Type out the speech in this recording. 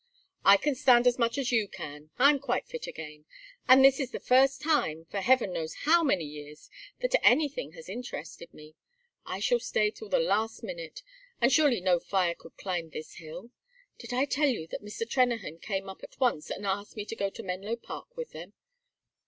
"I can stand as much as you can. I am quite fit again. And this is the first time, for heaven knows how many years, that anything has interested me. I shall stay till the last minute; and surely no fire could climb this hill. Did I tell you that Mr. Trennahan came up at once and asked me to go to Menlo Park with them?